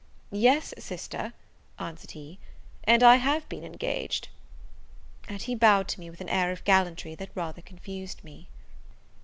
"Yes, sister," answered he, "and I have been engaged." And he bowed to me with an air of gallantry that rather confused me.